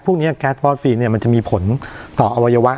พวกนี้แก๊สฟอสฟีนเนี่ยมันจะมีผลต่ออวัยวะ